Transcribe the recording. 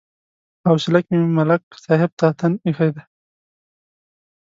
په حوصله کې مې ملک صاحب ته تن ایښی دی.